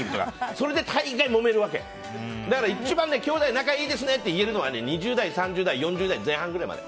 それで大概、もめるわけ。一番きょうだい仲いいですねって言えるのが２０代、３０代４０代前半ぐらいまで。